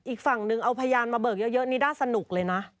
อีกฝั่งนึงเอาพยานมาเบิกเยอะนี่น่าสนุกเลยนะ